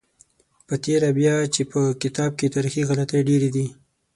په تېره بیا چې په کتاب کې تاریخي غلطۍ ډېرې دي.